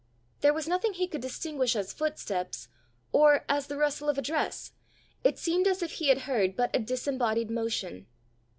There was nothing he could distinguish as footsteps, or as the rustle of a dress; it seemed as if he had heard but a disembodied motion!